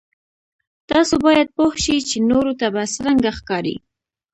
تاسو باید پوه شئ چې نورو ته به څرنګه ښکارئ.